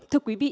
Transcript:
thưa quý vị